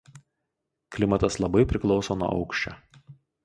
Klimatas labai priklauso nuo aukščio.